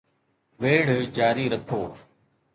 ويڙهه جاري رکو